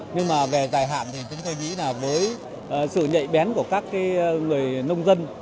nhưng mà về dài hạn thì chúng tôi nghĩ là với sự nhạy bén của các người nông dân